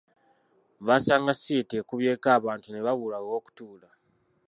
Baasanga siyeta ekubyeko abantu ne babulwa ew’okutuula.